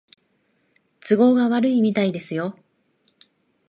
都合が悪いみたいですよ